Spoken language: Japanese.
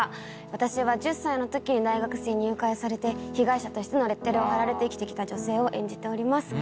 私は１０歳の時に大学生に誘拐されて被害者としてのレッテルを貼られて生きて来た女性を演じております。